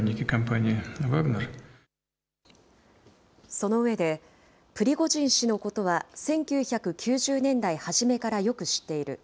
その上で、プリゴジン氏のことは１９９０年代初めからよく知っている。